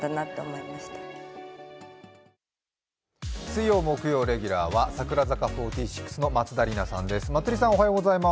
水曜、木曜レギュラーは櫻坂４６の松田里奈さんです。